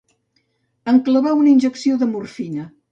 Em clavà una injecció de morfina